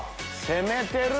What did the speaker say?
攻めてる！